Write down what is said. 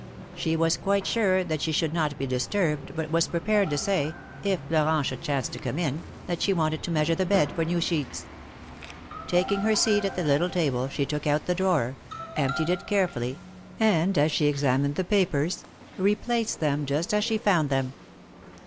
She was quite sure that she should not be disturbed, but was prepared to say, if Florent should chance to come in, that 226 THE MARKETS OF PARIS. she wanted to measure the bed for new sheets. Taking her seat at the little table, she took out the drawer, emptied it carefully, and as she examined the papers, replaced them just as she found them.